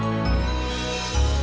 dari indonesia brittah singapura